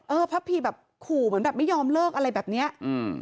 พระพีแบบขู่เหมือนแบบไม่ยอมเลิกอะไรแบบเนี้ยอืม